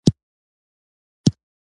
او دوی به بالاخره مالټا ته واستول شي.